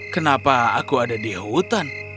kenapa aku ada di hutan